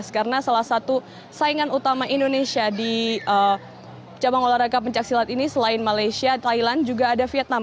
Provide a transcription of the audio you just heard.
karena salah satu saingan utama indonesia di cabang olahraga pencaksilat ini selain malaysia thailand juga ada vietnam